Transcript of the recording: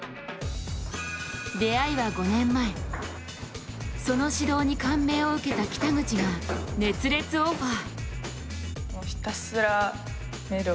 出会いは５年前、その指導に感銘を受けた北口が熱烈オファー。